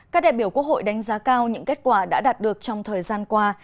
các đại biểu quốc hội đánh giá cao những kết quả đã đạt được trong thời gian qua